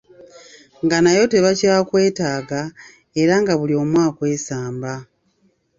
Nga nayo tebakyakwetaaga era nga buli omu akwesamba.